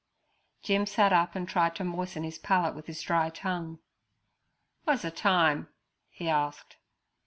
Jim sat up and tried to moisten his palate with his dry tongue. 'W'a's er time?' he asked.